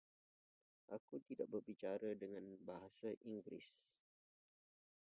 Aku tidak berbicara dengan bahasa Inggris.